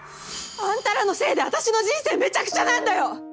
あんたらのせいで私の人生めちゃくちゃなんだよ！